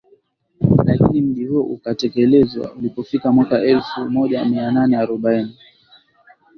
lakini mji huo ukatelekezwa ilipofika mwaka elfu moja mia nane arobaini